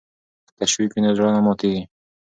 که تشویق وي نو زړه نه ماتیږي.